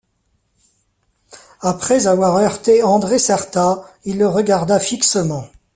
Après avoir heurté André Certa, il le regarda fixement.